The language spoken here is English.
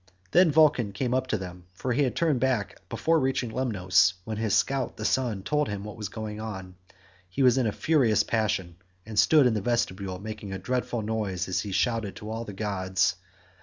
Then Vulcan came up to them, for he had turned back before reaching Lemnos, when his scout the sun told him what was going on. He was in a furious passion, and stood in the vestibule making a dreadful noise as he shouted to all the gods.